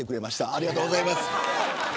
ありがとうございます。